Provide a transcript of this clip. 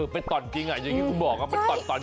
เป็นตอนจริงอย่างที่คุณบอกว่าเป็นตอนจริง